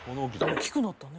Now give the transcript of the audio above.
「大きくなったね」